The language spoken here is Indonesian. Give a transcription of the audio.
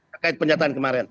terkait pernyataan kemarin